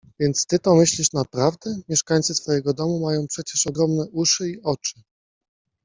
— Więc ty to myślisz naprawdę? Mieszkańcy twojego domu mają przecież ogromne uszy i oczy.